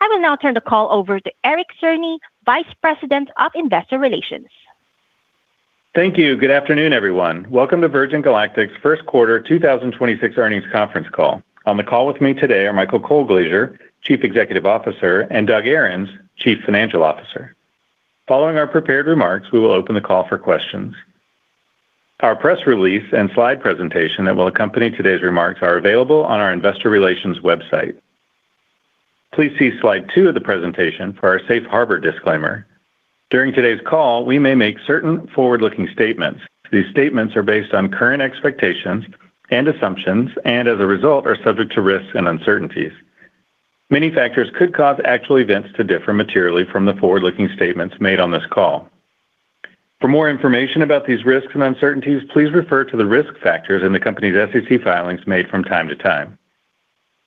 Thank you. I will now turn the call over to Eric Cerny, Vice President of Investor Relations. Thank you. Good afternoon, everyone. Welcome to Virgin Galactic's 1st quarter 2026 earnings conference call. On the call with me today are Michael Colglazier, Chief Executive Officer, and Doug Ahrens, Chief Financial Officer. Following our prepared remarks, we will open the call for questions. Our press release and slide presentation that will accompany today's remarks are available on our investor relations website. Please see slide 2 of the presentation for our Safe Harbor disclaimer. During today's call, we may make certain forward-looking statements. These statements are based on current expectations and assumptions, and as a result, are subject to risks and uncertainties. Many factors could cause actual events to differ materially from the forward-looking statements made on this call. For more information about these risks and uncertainties, please refer to the risk factors in the company's SEC filings made from time to time.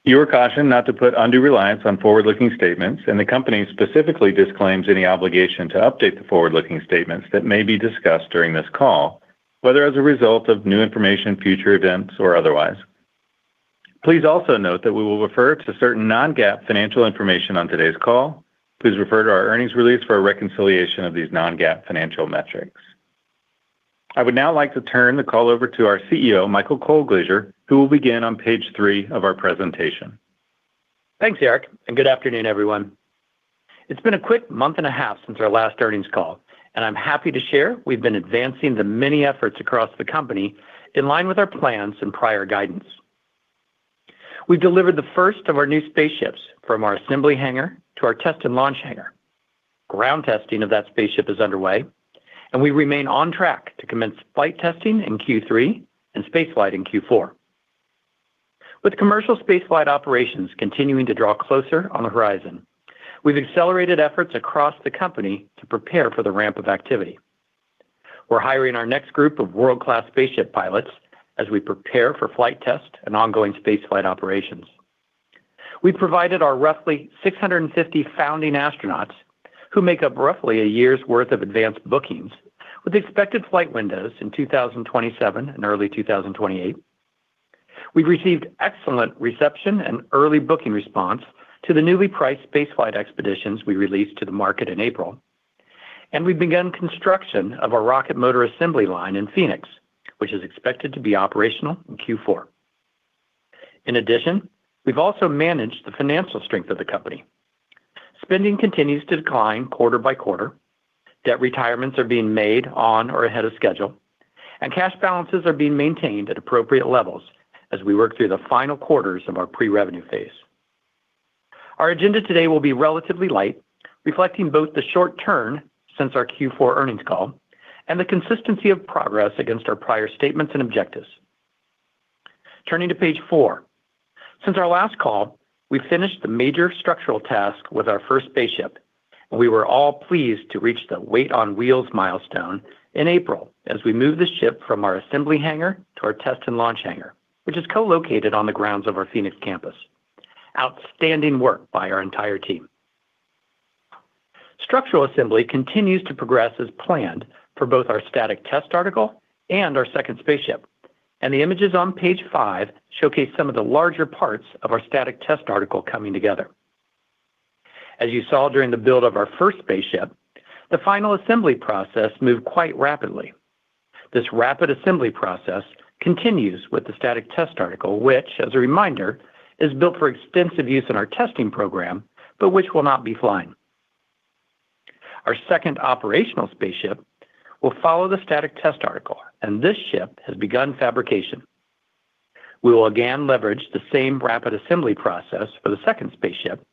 You are cautioned not to put undue reliance on forward-looking statements, and the company specifically disclaims any obligation to update the forward-looking statements that may be discussed during this call, whether as a result of new information, future events, or otherwise. Please also note that we will refer to certain non-GAAP financial information on today's call. Please refer to our earnings release for a reconciliation of these non-GAAP financial metrics. I would now like to turn the call over to our CEO, Michael Colglazier, who will begin on page 3 of our presentation. Thanks, Eric. Good afternoon, everyone. It's been a quick month and a half since our last earnings call. I'm happy to share we've been advancing the many efforts across the company in line with our plans and prior guidance. We delivered the first of our new spaceships from our assembly hangar to our test and launch hangar. Ground testing of that spaceship is underway. We remain on track to commence flight testing in Q3 and space flight in Q4. With commercial space flight operations continuing to draw closer on the horizon, we've accelerated efforts across the company to prepare for the ramp of activity. We're hiring our next group of world-class spaceship pilots as we prepare for flight test and ongoing space flight operations. We've provided our roughly 650 founding astronauts, who make up roughly a year's worth of advanced bookings, with expected flight windows in 2027 and early 2028. We've received excellent reception and early booking response to the newly priced space flight expeditions we released to the market in April, and we've begun construction of a rocket motor assembly line in Phoenix, which is expected to be operational in Q4. In addition, we've also managed the financial strength of the company. Spending continues to decline quarter by quarter. Debt retirements are being made on or ahead of schedule, and cash balances are being maintained at appropriate levels as we work through the final quarters of our pre-revenue phase. Our agenda today will be relatively light, reflecting both the short term since our Q4 earnings call and the consistency of progress against our prior statements and objectives. Turning to page 4. Since our last call, we finished the major structural task with our first spaceship, and we were all pleased to reach the weight on wheels milestone in April as we moved the ship from our assembly hangar to our test and launch hangar, which is co-located on the grounds of our Phoenix campus. Outstanding work by our entire team. Structural assembly continues to progress as planned for both our static test article and our second spaceship, and the images on page 5 showcase some of the larger parts of our static test article coming together. As you saw during the build of our first spaceship, the final assembly process moved quite rapidly. This rapid assembly process continues with the static test article, which, as a reminder, is built for extensive use in our testing program, but which will not be flying. Our second operational spaceship will follow the static test article, and this ship has begun fabrication. We will again leverage the same rapid assembly process for the second spaceship,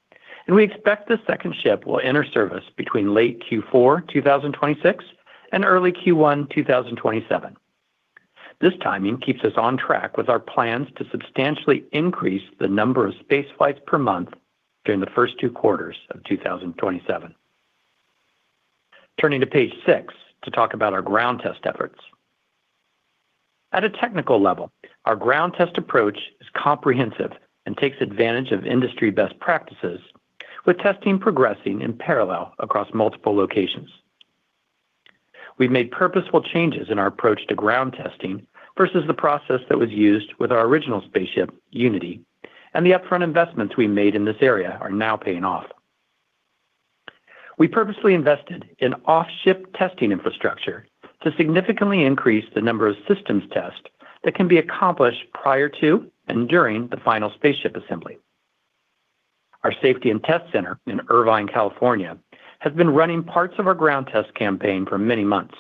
and we expect the second ship will enter service between late Q4 2026 and early Q1 2027. This timing keeps us on track with our plans to substantially increase the number of space flights per month during the first two quarters of 2027. Turning to page 6 to talk about our ground test efforts. At a technical level, our ground test approach is comprehensive and takes advantage of industry best practices with testing progressing in parallel across multiple locations. We've made purposeful changes in our approach to ground testing versus the process that was used with our original spaceship, Unity, and the upfront investments we made in this area are now paying off. We purposely invested in off-ship testing infrastructure to significantly increase the number of systems test that can be accomplished prior to and during the final spaceship assembly. Our safety and test center in Irvine, California, has been running parts of our ground test campaign for many months.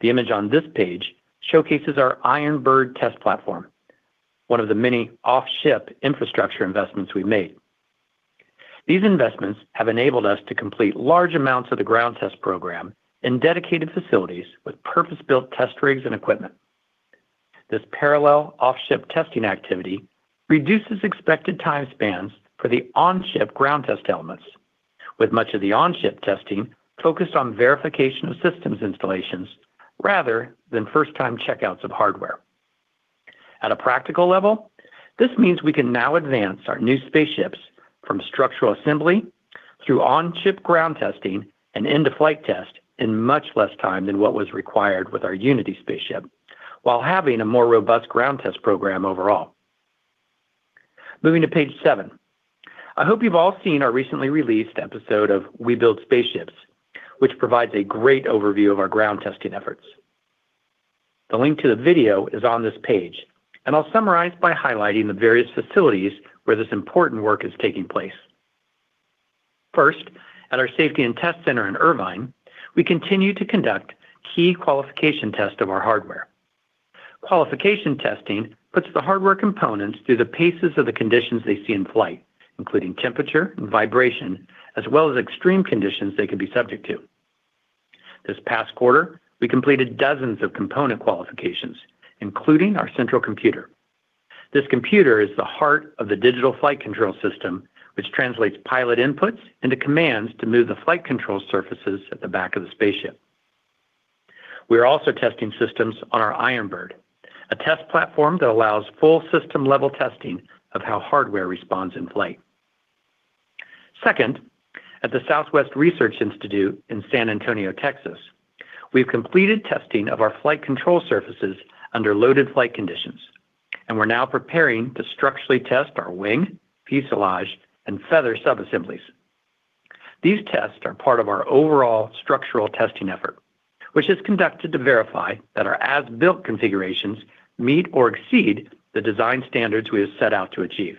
The image on this page showcases our Iron Bird test platform, one of the many off-ship infrastructure investments we've made. These investments have enabled us to complete large amounts of the ground test program in dedicated facilities with purpose-built test rigs and equipment. This parallel off-ship testing activity reduces expected time spans for the on-ship ground test elements, with much of the on-ship testing focused on verification of systems installations rather than first-time checkouts of hardware. At a practical level, this means we can now advance our new spaceships from structural assembly through on-ship ground testing and end-of-flight test in much less time than what was required with our VSS Unity, while having a more robust ground test program overall. Moving to page 7. I hope you've all seen our recently released episode of We Build Spaceships, which provides a great overview of our ground testing efforts. The link to the video is on this page, and I'll summarize by highlighting the various facilities where this important work is taking place. First, at our Safety and Test Center in Irvine, we continue to conduct key qualification tests of our hardware. Qualification testing puts the hardware components through the paces of the conditions they see in flight, including temperature and vibration, as well as extreme conditions they can be subject to. This past quarter, we completed dozens of component qualifications, including our central computer. This computer is the heart of the digital flight control system, which translates pilot inputs into commands to move the flight control surfaces at the back of the spaceship. We are also testing systems on our Iron Bird, a test platform that allows full system-level testing of how hardware responds in flight. Second, at the Southwest Research Institute in San Antonio, Texas, we've completed testing of our flight control surfaces under loaded flight conditions, and we're now preparing to structurally test our wing, fuselage, and feather subassemblies. These tests are part of our overall structural testing effort, which is conducted to verify that our as-built configurations meet or exceed the design standards we have set out to achieve.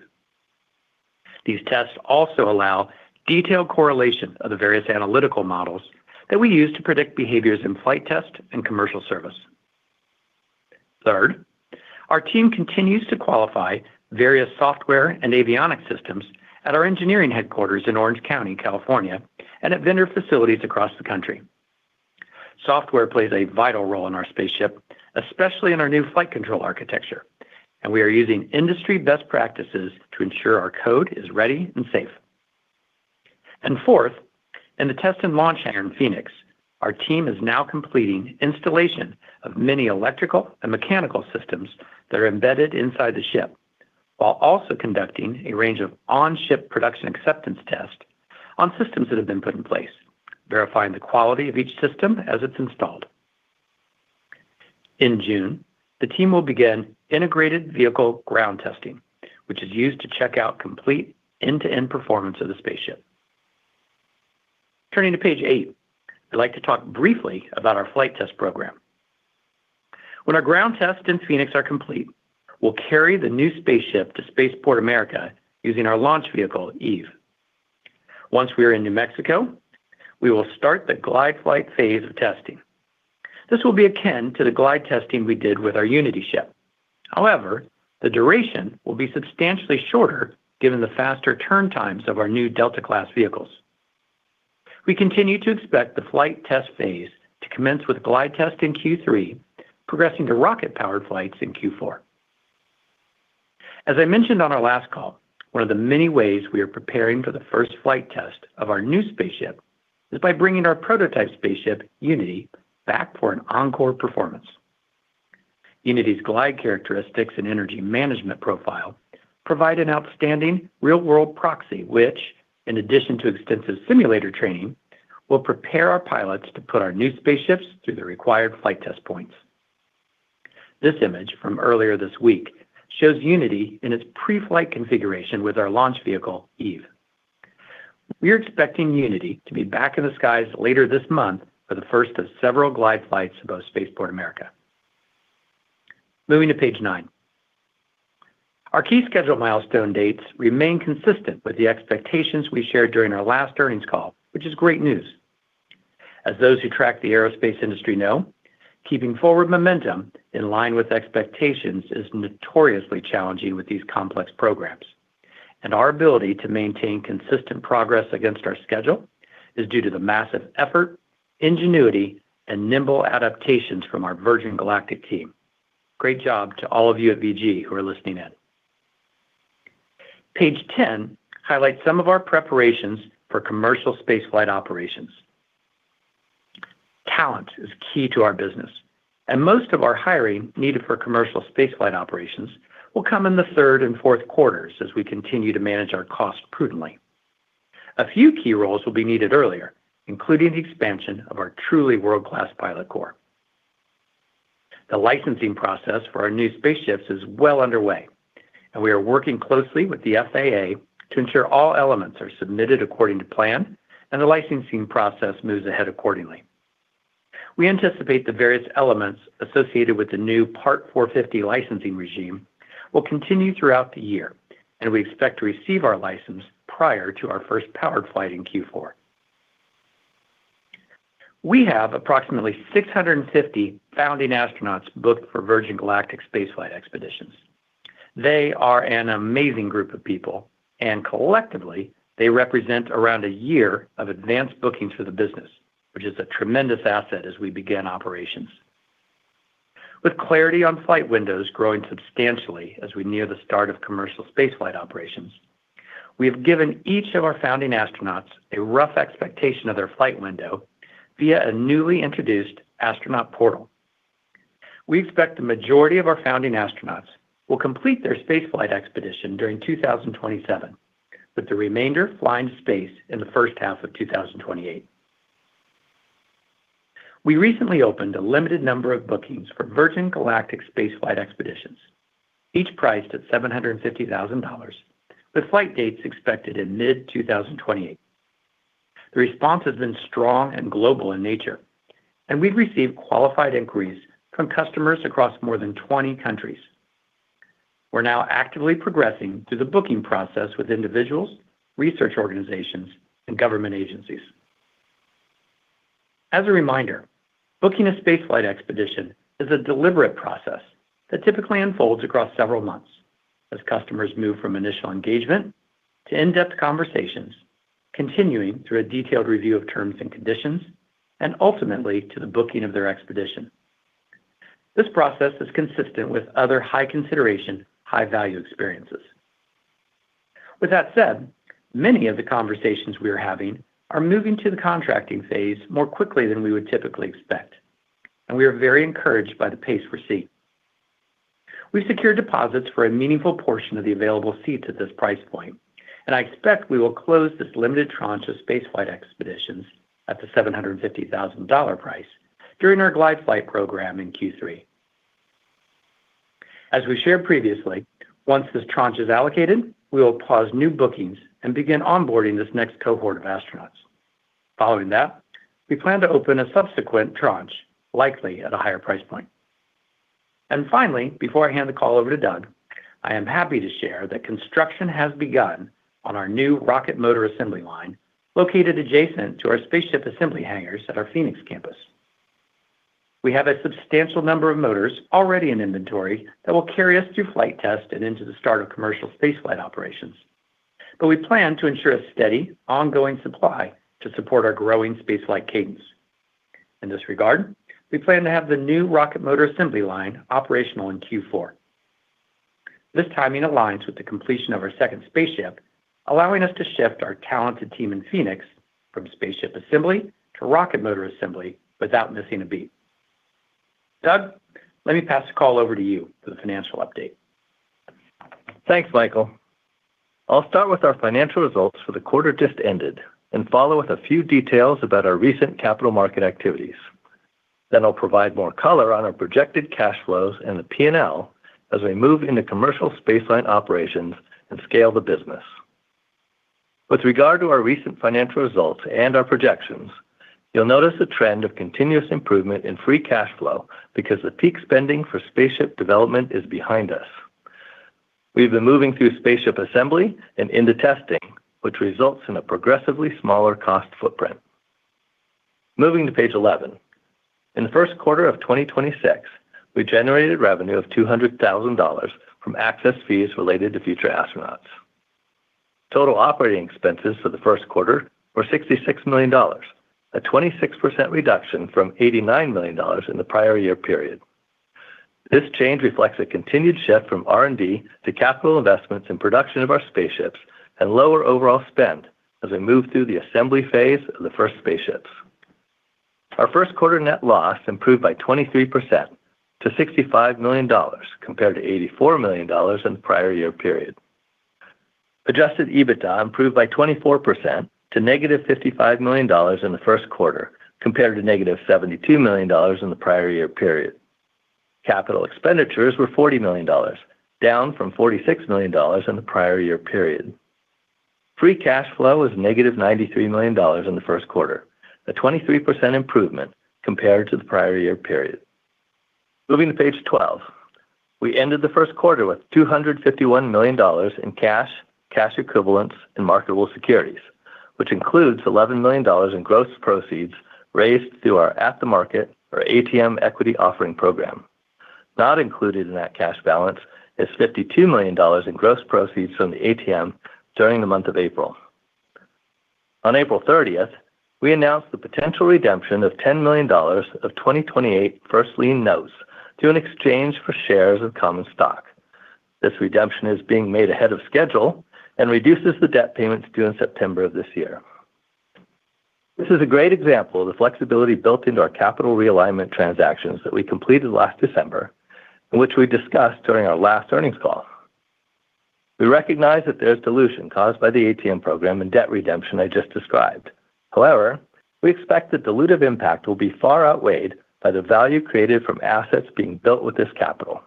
These tests also allow detailed correlation of the various analytical models that we use to predict behaviors in flight test and commercial service. Third, our team continues to qualify various software and avionics systems at our engineering headquarters in Orange County, California, and at vendor facilities across the country. Software plays a vital role in our spaceship, especially in our new flight control architecture, and we are using industry best practices to ensure our code is ready and safe. Fourth, in the Test and Launch Center in Phoenix, our team is now completing installation of many electrical and mechanical systems that are embedded inside the ship, while also conducting a range of on-ship production acceptance tests on systems that have been put in place, verifying the quality of each system as it's installed. In June, the team will begin integrated vehicle ground testing, which is used to check out complete end-to-end performance of the spaceship. Turning to page 8, I'd like to talk briefly about our flight test program. When our ground tests in Phoenix are complete, we'll carry the new spaceship to Spaceport America using our launch vehicle, Eve. Once we are in New Mexico, we will start the glide flight phase of testing. This will be akin to the glide testing we did with our Unity ship. However, the duration will be substantially shorter given the faster turn times of our new Delta-class vehicles. We continue to expect the flight test phase to commence with glide test in Q3, progressing to rocket-powered flights in Q4. As I mentioned on our last call, one of the many ways we are preparing for the first flight test of our new spaceship is by bringing our prototype spaceship, Unity, back for an encore performance. Unity's glide characteristics and energy management profile provide an outstanding real-world proxy, which, in addition to extensive simulator training, will prepare our pilots to put our new spaceships through the required flight test points. This image from earlier this week shows Unity in its pre-flight configuration with our launch vehicle, Eve. We are expecting Unity to be back in the skies later this month for the first of several glide flights above Spaceport America. Moving to page 9. Our key schedule milestone dates remain consistent with the expectations we shared during our last earnings call, which is great news. As those who track the aerospace industry know, keeping forward momentum in line with expectations is notoriously challenging with these complex programs, and our ability to maintain consistent progress against our schedule is due to the massive effort, ingenuity, and nimble adaptations from our Virgin Galactic team. Great job to all of you at VG who are listening in. Page 10 highlights some of our preparations for commercial spaceflight operations. Talent is key to our business, most of our hiring needed for commercial spaceflight operations will come in the third and fourth quarters as we continue to manage our costs prudently. A few key roles will be needed earlier, including the expansion of our truly world-class pilot corps. The licensing process for our new spaceships is well underway, and we are working closely with the FAA to ensure all elements are submitted according to plan and the licensing process moves ahead accordingly. We anticipate the various elements associated with the new Part 450 licensing regime will continue throughout the year, and we expect to receive our license prior to our first powered flight in Q4. We have approximately 650 founding astronauts booked for Virgin Galactic spaceflight expeditions. They are an amazing group of people, and collectively, they represent around a year of advanced bookings for the business, which is a tremendous asset as we begin operations. With clarity on flight windows growing substantially as we near the start of commercial spaceflight operations, we have given each of our founding astronauts a rough expectation of their flight window via a newly introduced astronaut portal. We expect the majority of our founding astronauts will complete their spaceflight expedition during 2027, with the remainder flying to space in the first half of 2028. We recently opened a limited number of bookings for Virgin Galactic spaceflight expeditions, each priced at $750,000, with flight dates expected in mid-2028. The response has been strong and global in nature, and we've received qualified inquiries from customers across more than 20 countries. We're now actively progressing through the booking process with individuals, research organizations, and government agencies. As a reminder, booking a space flight expedition is a deliberate process that typically unfolds across several months as customers move from initial engagement to in-depth conversations, continuing through a detailed review of terms and conditions, and ultimately to the booking of their expedition. This process is consistent with other high consideration, high value experiences. Many of the conversations we are having are moving to the contracting phase more quickly than we would typically expect, and we are very encouraged by the pace we're seeing. We've secured deposits for a meaningful portion of the available seats at this price point, and I expect we will close this limited tranche of space flight expeditions at the $750,000 price during our glide flight program in Q3. As we shared previously, once this tranche is allocated, we will pause new bookings and begin onboarding this next cohort of astronauts. Following that, we plan to open a subsequent tranche, likely at a higher price point. Finally, before I hand the call over to Doug, I am happy to share that construction has begun on our new rocket motor assembly line located adjacent to our spaceship assembly hangars at our Phoenix campus. We have a substantial number of motors already in inventory that will carry us through flight test and into the start of commercial space flight operations, but we plan to ensure a steady, ongoing supply to support our growing space flight cadence. In this regard, we plan to have the new rocket motor assembly line operational in Q4. This timing aligns with the completion of our second spaceship, allowing us to shift our talented team in Phoenix from spaceship assembly to rocket motor assembly without missing a beat. Doug, let me pass the call over to you for the financial update. Thanks, Michael. I'll start with our financial results for the quarter just ended and follow with a few details about our recent capital market activities. I'll provide more color on our projected cash flows and the P&L as we move into commercial spaceflight operations and scale the business. With regard to our recent financial results and our projections, you'll notice a trend of continuous improvement in free cash flow because the peak spending for spaceship development is behind us. We've been moving through spaceship assembly and into testing, which results in a progressively smaller cost footprint. Moving to page 11. In the first quarter of 2026, we generated revenue of $200,000 from access fees related to future astronauts. Total operating expenses for the first quarter were $66 million, a 26% reduction from $89 million in the prior year period. This change reflects a continued shift from R&D to capital investments in production of our spaceships and lower overall spend as we move through the assembly phase of the first spaceships. Our first quarter net loss improved by 23% to $65 million compared to $84 million in the prior year period. Adjusted EBITDA improved by 24% to negative $55 million in the first quarter compared to negative $72 million in the prior year period. Capital expenditures were $40 million, down from $46 million in the prior year period. Free cash flow was negative $93 million in the first quarter, a 23% improvement compared to the prior year period. Moving to page 12. We ended the first quarter with $251 million in cash equivalents, and marketable securities, which includes $11 million in gross proceeds raised through our At the Market or ATM equity offering program. Not included in that cash balance is $52 million in gross proceeds from the ATM during the month of April. On April 30, we announced the potential redemption of $10 million of 2028 first lien notes through an exchange for shares of common stock. This redemption is being made ahead of schedule and reduces the debt payments due in September of this year. This is a great example of the flexibility built into our capital realignment transactions that we completed last December, and which we discussed during our last earnings call. We recognize that there's dilution caused by the ATM program and debt redemption I just described. However, we expect the dilutive impact will be far outweighed by the value created from assets being built with this capital.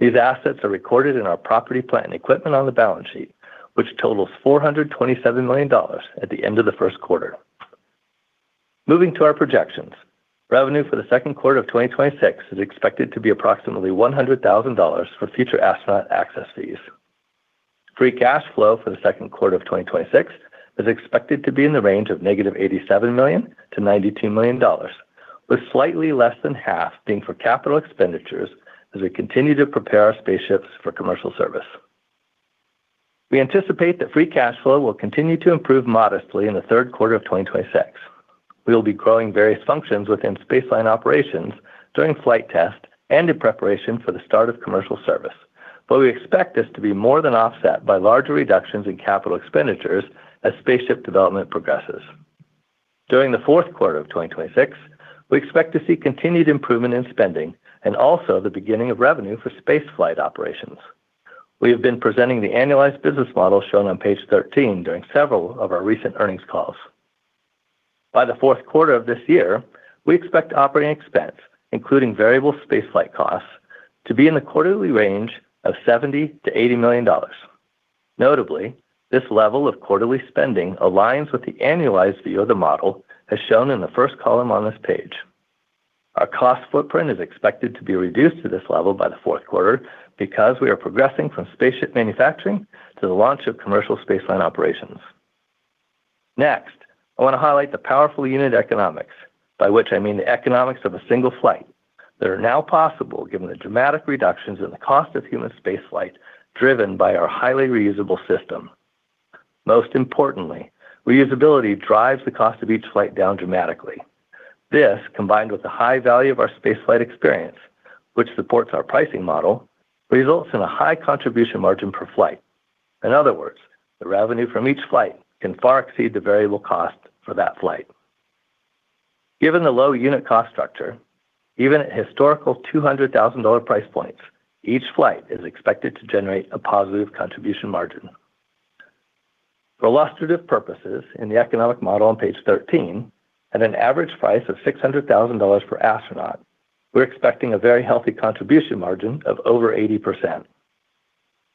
These assets are recorded in our property plant and equipment on the balance sheet, which totals $427 million at the end of the first quarter. Moving to our projections. Revenue for the second quarter of 2026 is expected to be approximately $100,000 for future astronaut access fees. Free cash flow for the second quarter of 2026 is expected to be in the range of negative $87 million to $92 million, with slightly less than half being for CapEx as we continue to prepare our spaceships for commercial service. We anticipate that free cash flow will continue to improve modestly in the third quarter of 2026. We will be growing various functions within spaceflight operations during flight test and in preparation for the start of commercial service, but we expect this to be more than offset by larger reductions in capital expenditures as spaceship development progresses. During the fourth quarter of 2026, we expect to see continued improvement in spending and also the beginning of revenue for spaceflight operations. We have been presenting the annualized business model shown on page 13 during several of our recent earnings calls. By the fourth quarter of this year, we expect operating expense, including variable spaceflight costs, to be in the quarterly range of $70 million-$80 million. Notably, this level of quarterly spending aligns with the annualized view of the model as shown in the first column on this page. Our cost footprint is expected to be reduced to this level by the fourth quarter because we are progressing from spaceship manufacturing to the launch of commercial spaceflight operations. Next, I want to highlight the powerful unit economics, by which I mean the economics of a single flight, that are now possible given the dramatic reductions in the cost of human spaceflight driven by our highly reusable system. Most importantly, reusability drives the cost of each flight down dramatically. This, combined with the high value of our spaceflight experience, which supports our pricing model, results in a high contribution margin per flight. In other words, the revenue from each flight can far exceed the variable cost for that flight. Given the low unit cost structure, even at historical $200,000 price points, each flight is expected to generate a positive contribution margin. For illustrative purposes in the economic model on page 13, at an average price of $600,000 per astronaut, we're expecting a very healthy contribution margin of over 80%.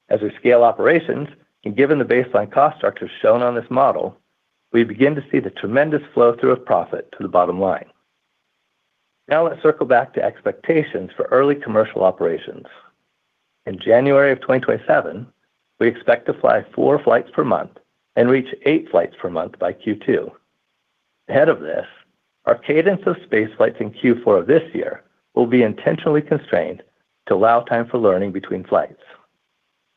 As we scale operations and given the baseline cost structures shown on this model, we begin to see the tremendous flow through of profit to the bottom line. Now let's circle back to expectations for early commercial operations. In January 2027, we expect to fly four flights per month and reach 8 flights per month by Q2. Ahead of this, our cadence of space flights in Q4 of this year will be intentionally constrained to allow time for learning between flights.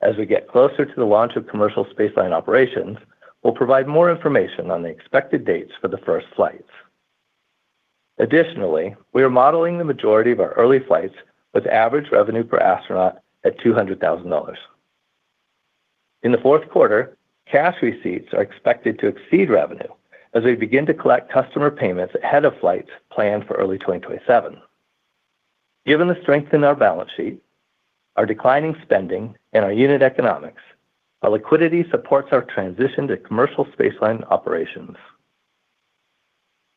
As we get closer to the launch of commercial spaceflight operations, we'll provide more information on the expected dates for the first flights. Additionally, we are modeling the majority of our early flights with average revenue per astronaut at $200,000. In the fourth quarter, cash receipts are expected to exceed revenue as we begin to collect customer payments ahead of flights planned for early 2027. Given the strength in our balance sheet, our declining spending, and our unit economics, our liquidity supports our transition to commercial spaceflight operations.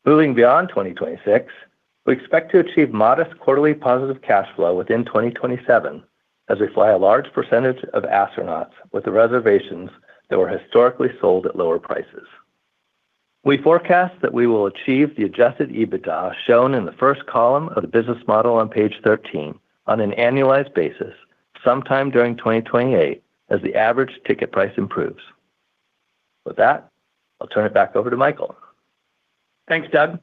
Moving beyond 2026, we expect to achieve modest quarterly positive cash flow within 2027 as we fly a large percentage of astronauts with the reservations that were historically sold at lower prices. We forecast that we will achieve the adjusted EBITDA shown in the first column of the business model on page 13 on an annualized basis sometime during 2028 as the average ticket price improves. With that, I'll turn it back over to Michael. Thanks, Doug.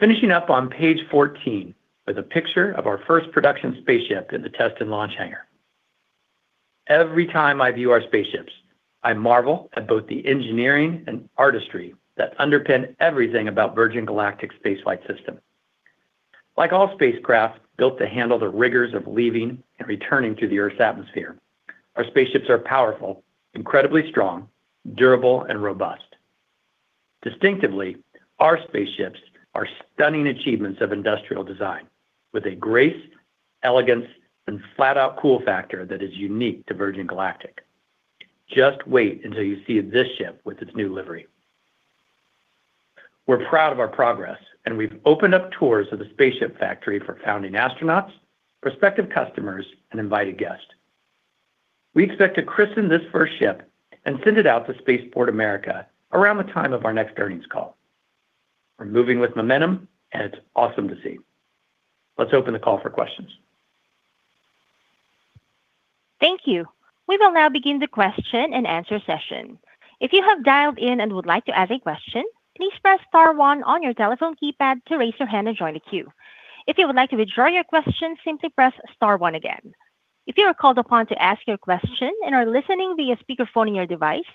Finishing up on page 14 with a picture of our 1st production spaceship in the test and launch hangar. Every time I view our spaceships, I marvel at both the engineering and artistry that underpin everything about Virgin Galactic's spaceflight system. Like all spacecraft built to handle the rigors of leaving and returning to the Earth's atmosphere, our spaceships are powerful, incredibly strong, durable, and robust. Distinctively, our spaceships are stunning achievements of industrial design with a grace, elegance, and flat-out cool factor that is unique to Virgin Galactic. Just wait until you see this ship with its new livery. We're proud of our progress, and we've opened up tours of the spaceship factory for founding astronauts, prospective customers, and invited guests. We expect to christen this 1st ship and send it out to Spaceport America around the time of our next earnings call. We're moving with momentum, and it's awesome to see. Let's open the call for questions. Thank you. We will now begin the question and answer session. If you have dialed in and would like to ask a question, please press star one on your telephone keypad to raise your hand and join the queue. If you would like to withdraw your question, simply press star one again. If you are called upon to ask your question and are listening via speakerphone in your device,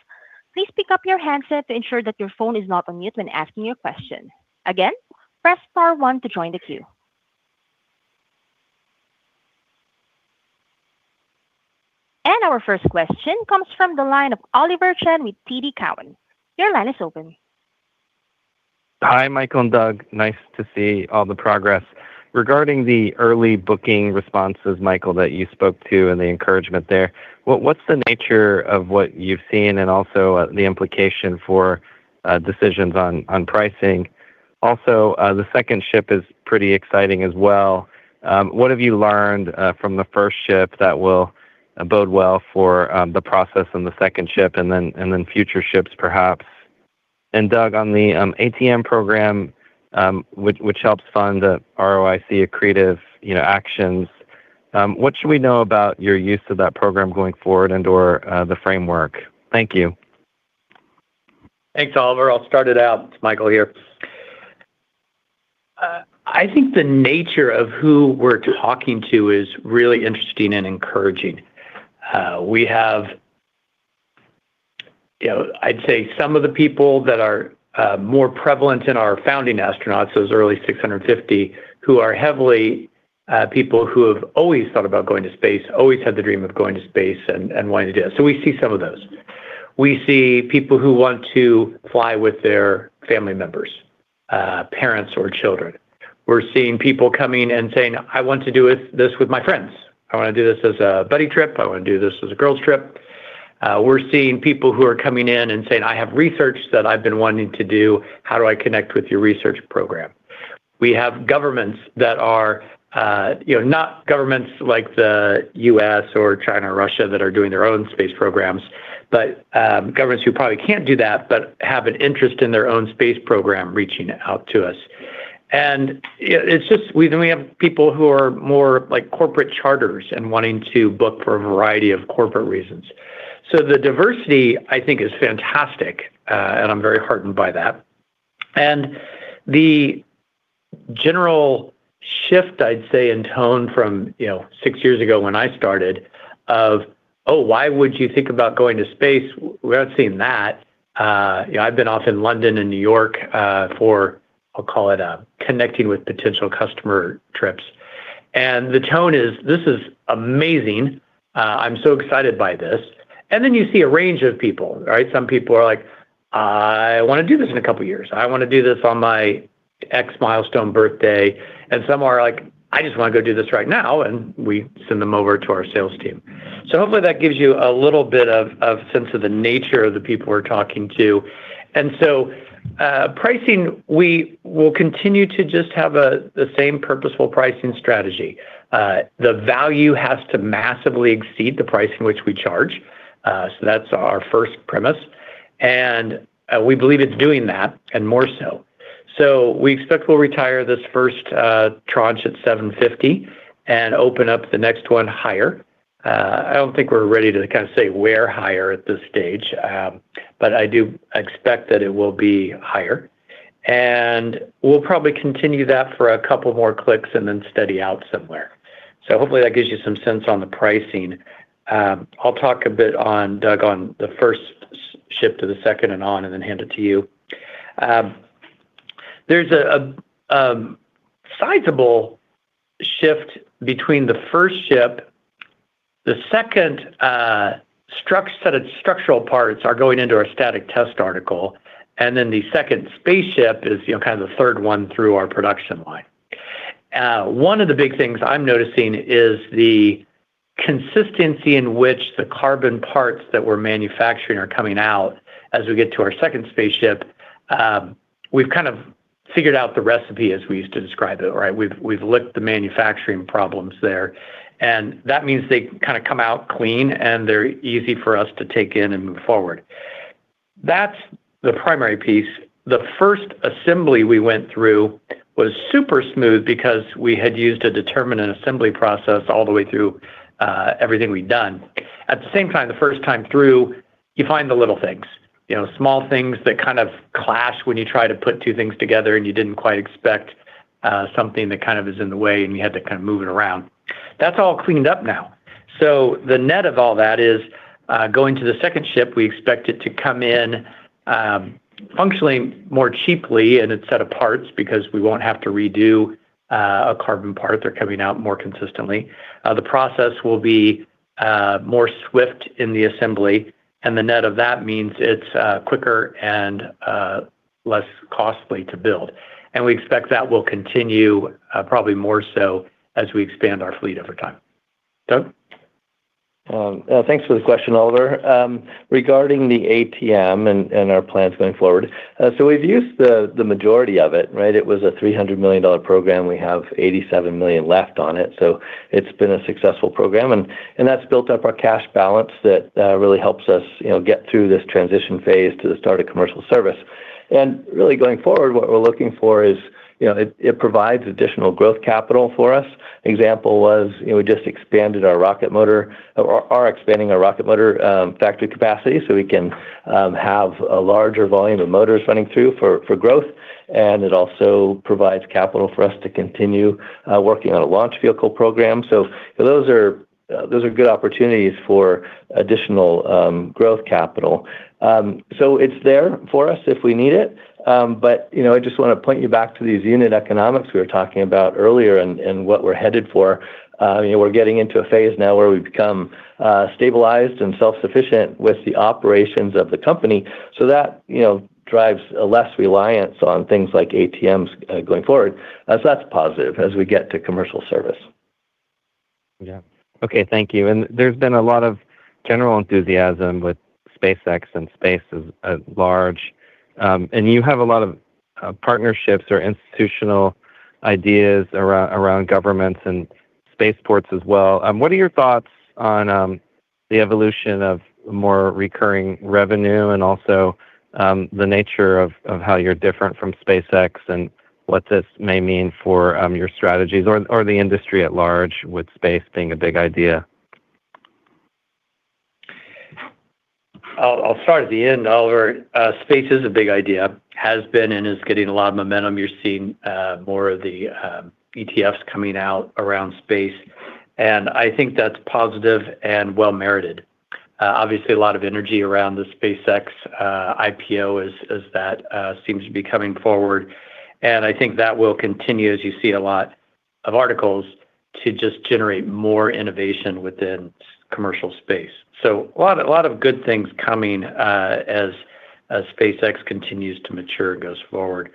please pick up your handset to ensure that your phone is not on mute when asking your question. Again, press star one to join the queue. Our first question comes from the line of Oliver Chen with TD Cowen. Your line is open. Hi, Michael and Doug. Nice to see all the progress. Regarding the early booking responses, Michael, that you spoke to and the encouragement there, what's the nature of what you've seen and also the implication for decisions on pricing? The second ship is pretty exciting as well. What have you learned from the first ship that will bode well for the process and the second ship and then future ships perhaps? Doug, on the ATM program, which helps fund the ROIC accretive, you know, actions, what should we know about your use of that program going forward and/or the framework? Thank you. Thanks, Oliver. I'll start it out. It's Michael here. I think the nature of who we're talking to is really interesting and encouraging. We have, you know, I'd say some of the people that are more prevalent in our founding astronauts, those early 650, people who have always thought about going to space, always had the dream of going to space and wanting to do it. We see some of those. We see people who want to fly with their family members, parents or children. We're seeing people coming and saying, "I want to do with this with my friends. I wanna do this as a buddy trip. I wanna do this as a girls trip." We're seeing people who are coming in and saying, "I have research that I've been wanting to do. How do I connect with your research program?" We have governments that are, you know, not governments like the U.S. or China or Russia that are doing their own space programs, but governments who probably can't do that, but have an interest in their own space program reaching out to us. We have people who are more like corporate charters and wanting to book for a variety of corporate reasons. The diversity, I think is fantastic, and I'm very heartened by that. The general shift, I'd say, in tone from, you know, six years ago when I started of, "Oh, why would you think about going to space?" We haven't seen that. You know, I've been off in London and New York for, I'll call it a connecting with potential customer trips. The tone is, "This is amazing." I'm so excited by this. Then you see a range of people, right? Some people are like, "I wanna do this in a couple of years. I wanna do this on my ex milestone birthday." Some are like, "I just wanna go do this right now." We send them over to our sales team. Hopefully that gives you a little bit of sense of the nature of the people we're talking to. Pricing, we will continue to just have the same purposeful pricing strategy. The value has to massively exceed the price in which we charge. That's our first premise, we believe it's doing that and more so. We expect we'll retire this first tranche at $750 and open up the next one higher. I don't think we're ready to kind of say where higher at this stage, I do expect that it will be higher. We'll probably continue that for a couple more clicks and then steady out somewhere. Hopefully that gives you some sense on the pricing. I'll talk a bit on, Doug, on the first ship to the second, hand it to you. There's a sizable shift between the first ship. The second set of structural parts are going into our static test article, the second spaceship is, you know, kind of the third one through our production line. One of the big things I'm noticing is the consistency in which the carbon parts that we're manufacturing are coming out as we get to our second spaceship. We've kind of figured out the recipe as we used to describe it, right? We've licked the manufacturing problems there, and that means they kind of come out clean, and they're easy for us to take in and move forward. That's the primary piece. The first assembly we went through was super smooth because we had used a determinant assembly process all the way through everything we'd done. At the same time, the first time through, you find the little things. You know, small things that kind of clash when you try to put two things together and you didn't quite expect something that kind of is in the way and you had to kind of move it around. That's all cleaned up now. The net of all that is going to the 2nd ship, we expect it to come in functionally more cheaply in its set of parts because we won't have to redo a carbon part. They're coming out more consistently. The process will be more swift in the assembly, the net of that means it's quicker and less costly to build. We expect that will continue probably more so as we expand our fleet over time. Doug? Thanks for the question, Oliver. Regarding the ATM and our plans going forward. We've used the majority of it, right? It was a $300 million program. We have $87 million left on it's been a successful program. That's built up our cash balance that really helps us, you know, get through this transition phase to the start of commercial service. Really going forward, what we're looking for is, you know, it provides additional growth capital for us. Example was, you know, we just expanded our rocket motor or are expanding our rocket motor factory capacity so we can have a larger volume of motors running through for growth. It also provides capital for us to continue working on a launch vehicle program. Those are good opportunities for additional growth capital. It's there for us if we need it. You know, I just wanna point you back to these unit economics we were talking about earlier and what we're headed for. You know, we're getting into a phase now where we've become stabilized and self-sufficient with the operations of the company so that, you know, drives a less reliance on things like ATMs going forward. That's positive as we get to commercial service. Yeah. Okay. Thank you. There's been a lot of general enthusiasm with SpaceX and space as large. You have a lot of partnerships or institutional ideas around governments and space ports as well. What are your thoughts on the evolution of more recurring revenue and also the nature of how you're different from SpaceX and what this may mean for your strategies or the industry at large with space being a big idea? I'll start at the end, Oliver. Space is a big idea, has been and is getting a lot of momentum. You're seeing more of the ETFs coming out around space. I think that's positive and well merited. Obviously a lot of energy around the SpaceX IPO as that seems to be coming forward. I think that will continue as you see a lot of articles to just generate more innovation within commercial space. A lot of good things coming as SpaceX continues to mature and goes forward.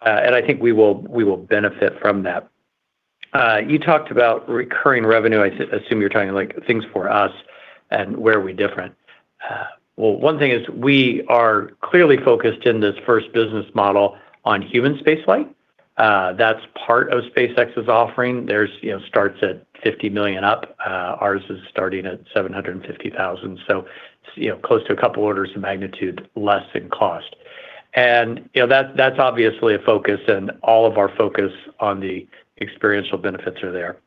I think we will benefit from that. You talked about recurring revenue. I assume you're talking like things for us and where are we different. Well, one thing is we are clearly focused in this first business model on human spaceflight. That's part of SpaceX's offering. Theirs, you know, starts at $50 million up. Ours is starting at $750,000. You know, close to a couple orders of magnitude less in cost. You know, that's obviously a focus and all of our focus on the experiential benefits are there.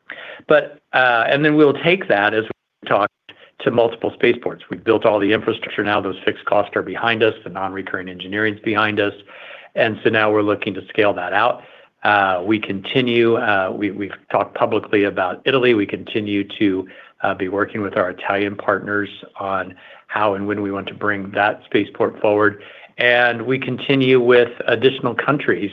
We'll take that as we talk to multiple spaceports. We've built all the infrastructure, now those fixed costs are behind us, the non-recurring engineering's behind us, now we're looking to scale that out. We continue, we've talked publicly about Italy. We continue to be working with our Italian partners on how and when we want to bring that spaceport forward, we continue with additional countries,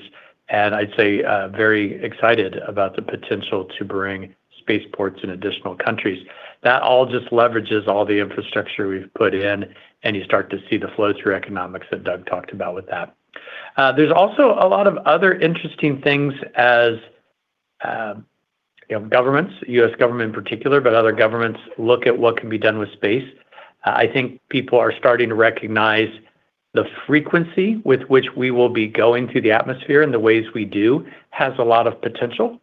I'd say, very excited about the potential to bring spaceports in additional countries. That all just leverages all the infrastructure we've put in, and you start to see the flow-through economics that Doug talked about with that. There's also a lot of other interesting things as, you know, governments, U.S. government in particular, but other governments look at what can be done with space. I think people are starting to recognize the frequency with which we will be going through the atmosphere and the ways we do has a lot of potential.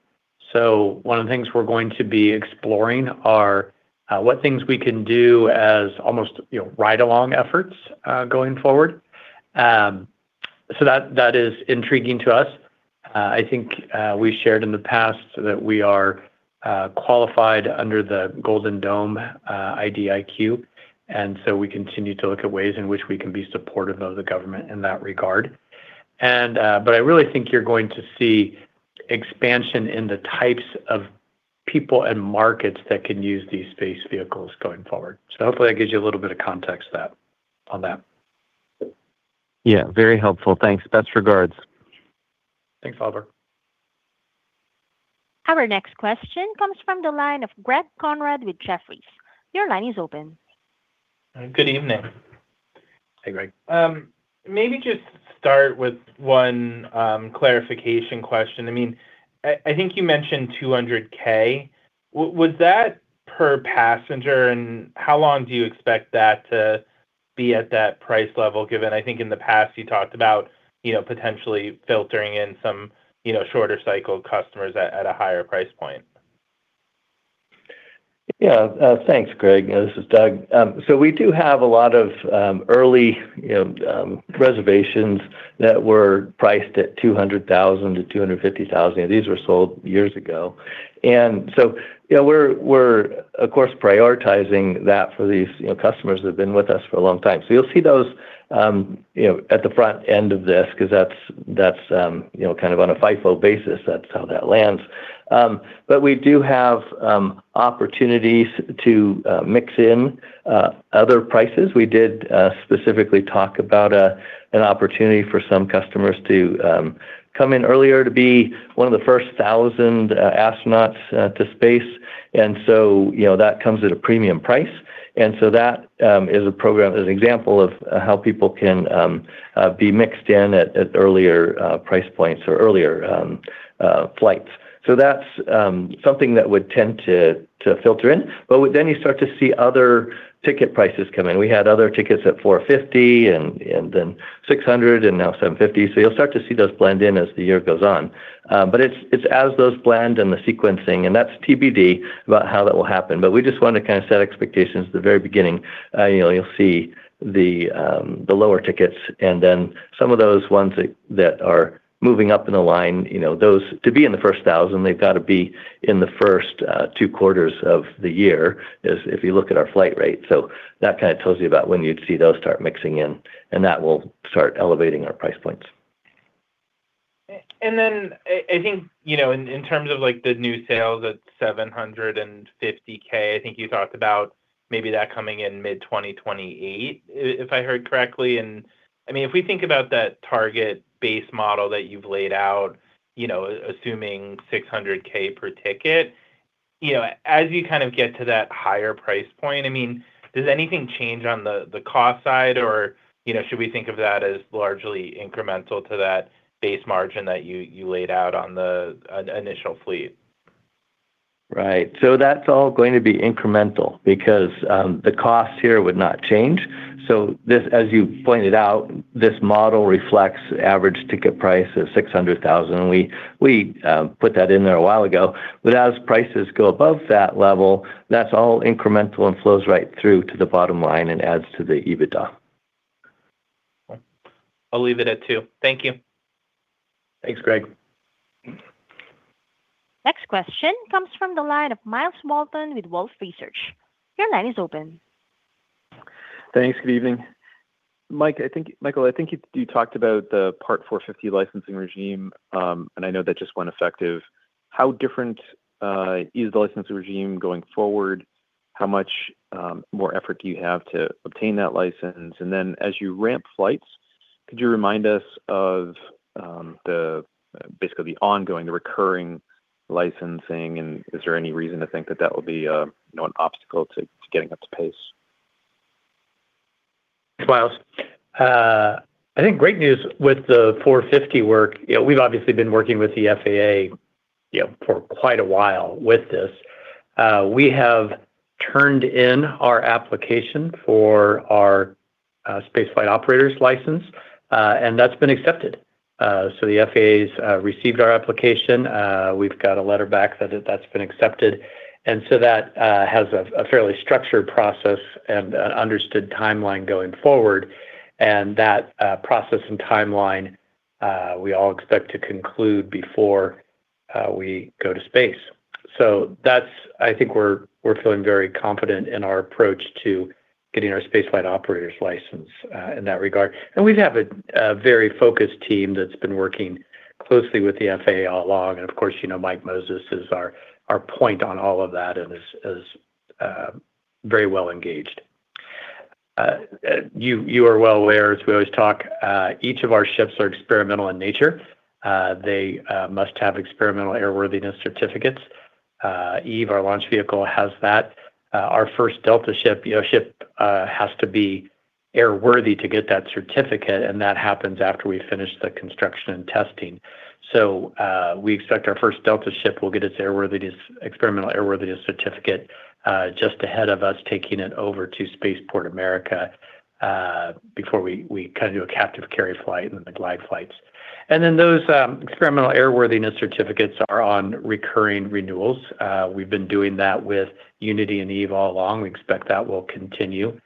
One of the things we're going to be exploring are, what things we can do as almost, you know, ride-along efforts, going forward. That is intriguing to us. I think we shared in the past that we are qualified under the Golden Dome IDIQ, and so we continue to look at ways in which we can be supportive of the government in that regard. I really think you're going to see expansion in the types of people and markets that can use these space vehicles going forward. Hopefully that gives you a little bit of context to that on that. Yeah, very helpful. Thanks. Best regards. Thanks, Oliver. Our next question comes from the line of Greg Konrad with Jefferies. Your line is open. Good evening. Hey, Greg. Maybe just start with one clarification question. I think you mentioned $200K. Was that per passenger, and how long do you expect that to be at that price level, given I think in the past you talked about potentially filtering in some shorter cycle customers at a higher price point? Thanks, Greg. This is Doug. We do have a lot of early, you know, reservations that were priced at $200,000 to $250,000, and these were sold years ago. You know, we're of course prioritizing that for these, you know, customers that have been with us for a long time. You'll see those, you know, at the front end of this because that's, you know, kind of on a FIFO basis. That's how that lands. We do have opportunities to mix in other prices. We did specifically talk about an opportunity for some customers to come in earlier to be one of the first 1,000 astronauts to space. You know, that comes at a premium price. That is a program as an example of how people can be mixed in at earlier price points or earlier flights. That's something that would tend to filter in. Then you start to see other ticket prices come in. We had other tickets at $450, then $600, and now $750. You'll start to see those blend in as the year goes on. It's as those blend and the sequencing. That's TBD about how that will happen. We just want to kind of set expectations at the very beginning. You know, you'll see the lower tickets and then some of those ones that are moving up in the line, you know, to be in the first 1,000, they've got to be in the first two quarters of the year is if you look at our flight rate. That kind of tells you about when you'd see those start mixing in, and that will start elevating our price points. I think, you know, in terms of like the new sales at $750K, I think you talked about maybe that coming in mid 2028 if I heard correctly. I mean, if we think about that target base model that you've laid out, you know, assuming $600K per ticket, you know, as you kind of get to that higher price point, I mean, does anything change on the cost side or, you know, should we think of that as largely incremental to that base margin that you laid out on the initial fleet? Right. That's all going to be incremental because the cost here would not change. As you pointed out, this model reflects average ticket price of $600,000. We put that in there a while ago. As prices go above that level, that's all incremental and flows right through to the bottom line and adds to the EBITDA. I'll leave it at two. Thank you. Thanks, Greg Konrad. Next question comes from the line of Myles Walton with Wolfe Research. Your line is open. Thanks. Good evening. Mike, I think-- Michael, I think you talked about the Part 450 licensing regime, and I know that just went effective. How different is the licensing regime going forward? How much more effort do you have to obtain that license? Then as you ramp flights, could you remind us of basically the ongoing, recurring licensing? Is there any reason to think that that will be, you know, an obstacle to getting up to pace? Thanks, Myles. I think great news with the Part 450 work. You know, we've obviously been working with the FAA, you know, for quite a while with this. We have turned in our application for our space flight operator's license, and that's been accepted. The FAA's received our application. We've got a letter back that's been accepted. That has a fairly structured process and an understood timeline going forward. That process and timeline we all expect to conclude before we go to space. That's I think we're feeling very confident in our approach to getting our space flight operator's license in that regard. We have a very focused team that's been working closely with the FAA all along. Of course, you know, Mike Moses is our point on all of that and is very well engaged. You are well aware, as we always talk, each of our ships are experimental in nature. They must have experimental airworthiness certificates. Eve, our launch vehicle, has that. Our first Delta ship, you know, has to be airworthy to get that certificate, and that happens after we finish the construction and testing. We expect our first Delta ship will get its experimental airworthiness certificate just ahead of us taking it over to Spaceport America before we kind of do a captive carry flight and the glide flights. Those experimental airworthiness certificates are on recurring renewals. We've been doing that with Unity and Eve all along. We expect that will continue.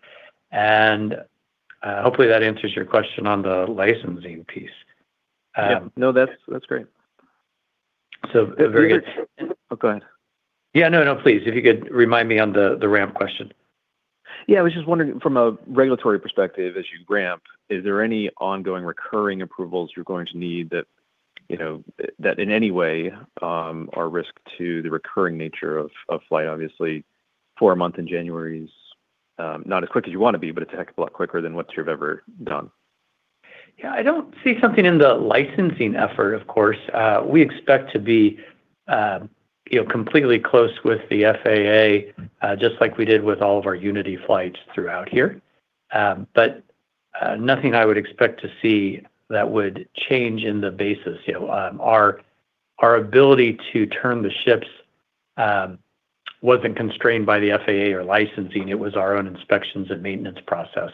Hopefully that answers your question on the licensing piece. Yeah. No, that's great. Very good. Oh, go ahead. Yeah, no, please. If you could remind me on the ramp question. I was just wondering from a regulatory perspective, as you ramp, is there any ongoing recurring approvals you're going to need that, you know, that in any way are risk to the recurring nature of flight? Obviously four months in January is not as quick as you want to be, but it's heck of a lot quicker than what you've ever done. Yeah, I don't see something in the licensing effort, of course. We expect to be, you know, completely close with the FAA, just like we did with all of our Unity flights throughout here. Nothing I would expect to see that would change in the basis. You know, our ability to turn the ships wasn't constrained by the FAA or licensing. It was our own inspections and maintenance process,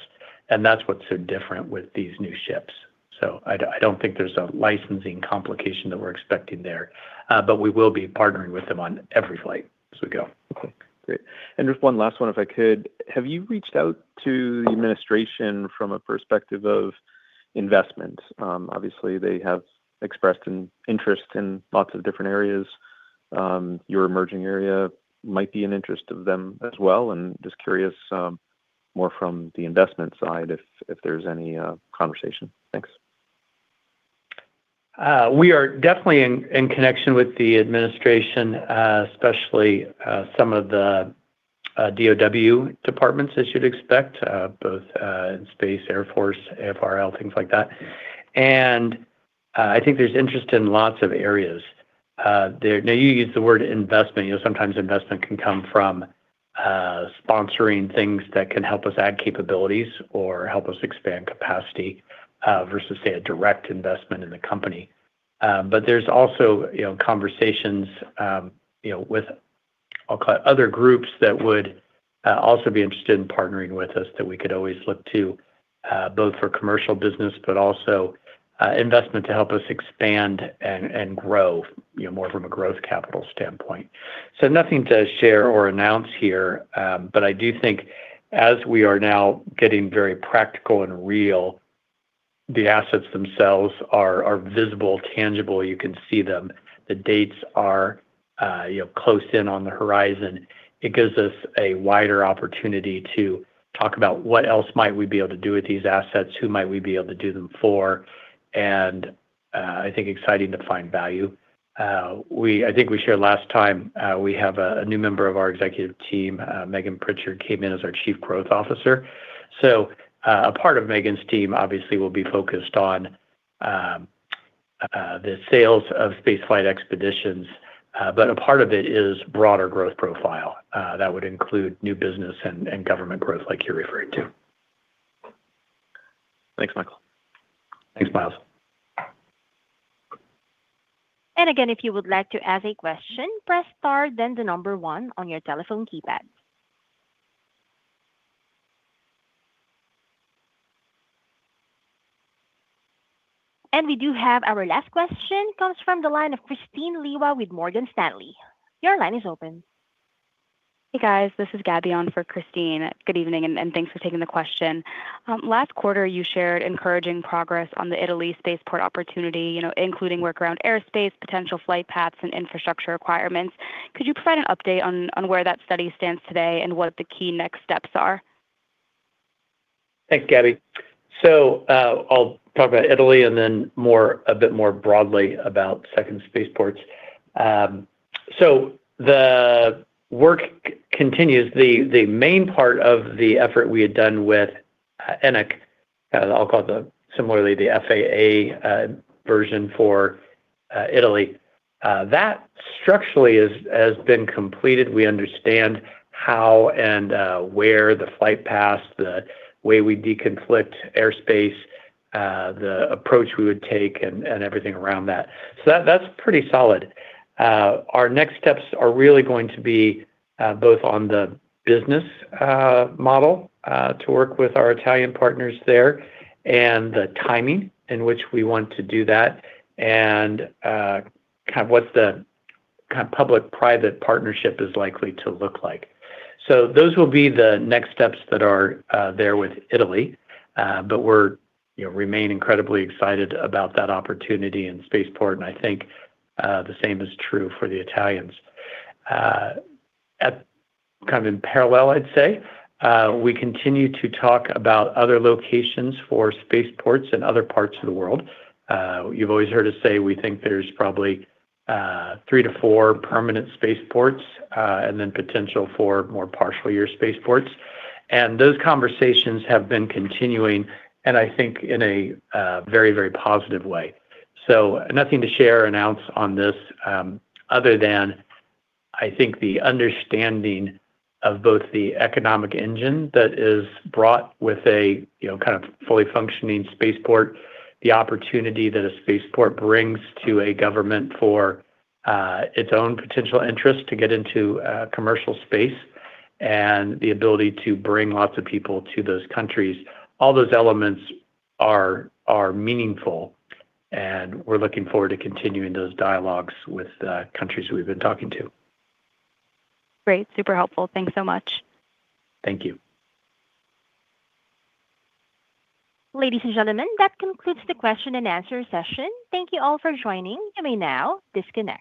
and that's what's so different with these new ships. I don't think there's a licensing complication that we're expecting there. We will be partnering with them on every flight as we go. Okay, great. Just one last one, if I could. Have you reached out to the administration from a perspective of investment? Obviously they have expressed an interest in lots of different areas. Your emerging area might be an interest of them as well, and just curious, more from the investment side if there's any conversation. Thanks. We are definitely in connection with the administration, especially some of the DOD departments as you'd expect, both in space, Air Force, AFRL, things like that. I think there's interest in lots of areas. Now you used the word investment. You know, sometimes investment can come from sponsoring things that can help us add capabilities or help us expand capacity versus say a direct investment in the company. But there's also, you know, conversations, you know, with I'll call it other groups that would also be interested in partnering with us that we could always look to both for commercial business but also investment to help us expand and grow, you know, more from a growth capital standpoint. Nothing to share or announce here. But I do think as we are now getting very practical and real, the assets themselves are visible, tangible. You can see them. The dates are, you know, close in on the horizon. It gives us a wider opportunity to talk about what else might we be able to do with these assets, who might we be able to do them for, and I think exciting to find value. I think we shared last time, we have a new member of our executive team, Megan Prichard came in as our Chief Growth Officer. A part of Megan's team obviously will be focused on the sales of spaceflight expeditions. But a part of it is broader growth profile that would include new business and government growth like you're referring to. Thanks, Michael. Thanks, Myles. Again, if you would like to ask a question, press star then the number one on your telephone keypad. We do have our last question comes from the line of Kristine Liwag with Morgan Stanley. Your line is open. Hey, guys. This is Gabby on for Kristine. Good evening, and thanks for taking the question. Last quarter you shared encouraging progress on the Italy spaceport opportunity, you know, including work around airspace, potential flight paths, and infrastructure requirements. Could you provide an update on where that study stands today and what the key next steps are? Thanks, Gabby. I'll talk about Italy and then a bit more broadly about second spaceports. The work continues. The main part of the effort we had done with ENAC, I'll call it similarly the FAA version for Italy, that structurally has been completed. We understand how and where the flight paths, the way we deconflict airspace, the approach we would take and everything around that. That's pretty solid. Our next steps are really going to be both on the business model to work with our Italian partners there and the timing in which we want to do that and what's the public-private partnership is likely to look like. Those will be the next steps that are there with Italy. We're, you know, remain incredibly excited about that opportunity and spaceport, and I think the same is true for the Italians. At kind of in parallel, I'd say, we continue to talk about other locations for spaceports in other parts of the world. You've always heard us say we think there's probably three to four permanent spaceports, and then potential for more partial year spaceports. Those conversations have been continuing, and I think in a very, very positive way. Nothing to share or announce on this, other than I think the understanding of both the economic engine that is brought with a, you know, kind of fully functioning spaceport, the opportunity that a spaceport brings to a government for its own potential interest to get into commercial space and the ability to bring lots of people to those countries, all those elements are meaningful, and we're looking forward to continuing those dialogues with the countries we've been talking to. Great. Super helpful. Thanks so much. Thank you. Ladies and gentlemen, that concludes the question and answer session. Thank you all for joining. You may now disconnect.